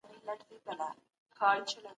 د هنر ټولنپوهنه کلتوري ارزښتونه ګوري.